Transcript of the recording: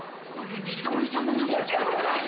１人で握ってるんだよ。